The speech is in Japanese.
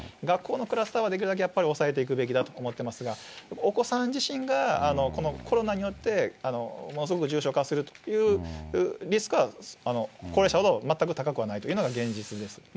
学校のクラスターはできるだけやっぱり抑えていくべきだと思ってますが、お子さん自身が、このコロナによってものすごく重症化するというリスクは、高齢者ほど、全く高くはないというのが現実です。